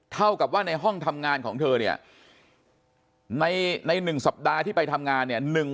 เท่ากับว่าในห้องทำงานของเธอเนี่ยใน๑สัปดาห์ที่ไปทำงานเนี่ย